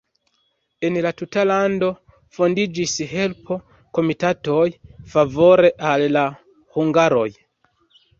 En la tuta lando fondiĝis helpo-komitatoj favore al la hungaroj.